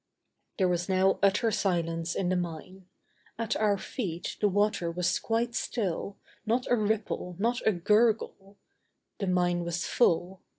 There was now utter silence in the mine. At our feet the water was quite still, not a ripple, not a gurgle. The mine was full.